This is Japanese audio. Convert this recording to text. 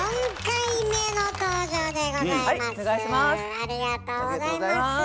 ありがとうございます。